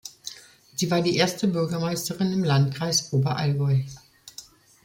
Sie war die erste Bürgermeisterin im Landkreis Oberallgäu.